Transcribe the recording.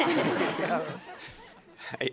はい。